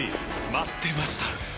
待ってました！